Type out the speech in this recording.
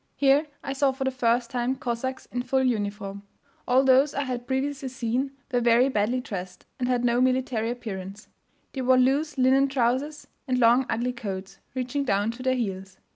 Here I saw, for the first time, Cossacks in full uniform; all those I had previously seen were very badly dressed, and had no military appearance; they wore loose linen trousers, and long ugly coats, reaching down to their heels.